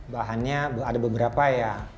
bahannya ada beberapa ya